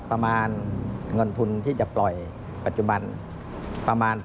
ประมาณเงินทุนที่จะปล่อยปัจจุบันประมาณ๑๒๕๐ล้านบาท